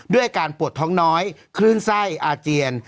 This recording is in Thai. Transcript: อาการปวดท้องน้อยคลื่นไส้อาเจียน